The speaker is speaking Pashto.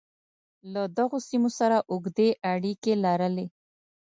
له دغو سیمو سره اوږدې اړیکې لرلې.